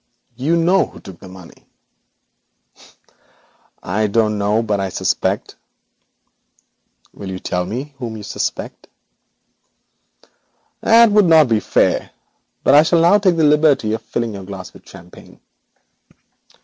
You know who took the money.' 'I don't know, but I suspect.' 'Will you tell me whom you suspect?' 'That would not be fair, but I shall now take the liberty of filling your glass with champagne.'